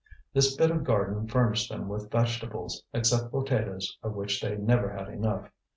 This bit of garden furnished them with vegetables, except potatoes of which they never had enough.